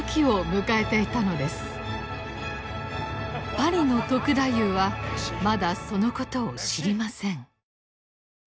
パリの篤太夫はまだそのことを知りません。